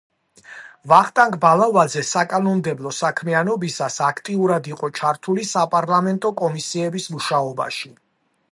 ვახტანგ ბალავაძე საკანონმდებლო საქმიანობისას აქტიურად იყო ჩართული საპარლამენტო კომისიების მუშაობაში.